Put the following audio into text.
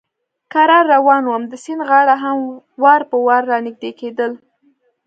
کرار روان ووم، د سیند غاړه هم وار په وار را نږدې کېدل.